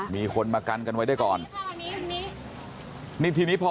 มีคนมากันกันไว้ด้วยก่อน